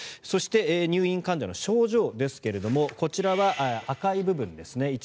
そして、入院患者の症状ですがこちらは赤い部分ですね。